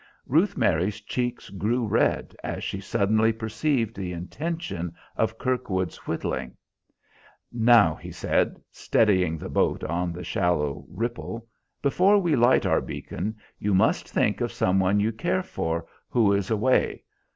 Ruth Mary's cheeks grew red, as she suddenly perceived the intention of Kirkwood's whittling. "Now," he said, steadying the boat on the shallow ripple, "before we light our beacon you must think of some one you care for, who is away.